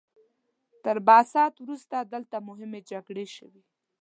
تر بعثت وروسته دلته مهمې جګړې شوي.